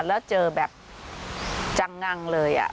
แล้วเจอแบบจังงังเลย